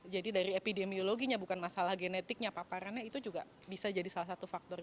jadi dari epidemiologinya bukan masalah genetiknya paparannya itu juga bisa jadi salah satu faktor